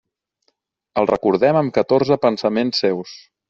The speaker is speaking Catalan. El recordem amb catorze pensaments seus.